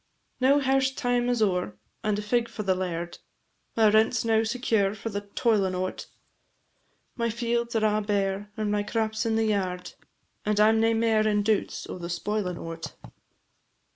Now hairst time is o'er, and a fig for the laird, My rent 's now secure for the toilin' o't; My fields are a' bare, and my crap 's in the yard, And I 'm nae mair in doubts o' the spoilin' o't.